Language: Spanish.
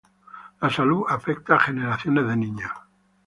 La salud afecta a generaciones de niños.